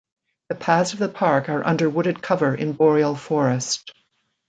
The paths of the park are under wooded cover in boreal forest.